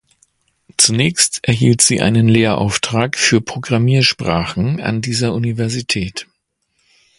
Zunächst erhielt sie einen Lehrauftrag für Programmiersprachen an dieser Universität.